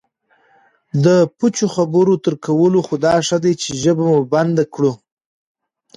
د پوچو خبرو تر کولو خو دا ښه دی چې ژبه مو بندي کړو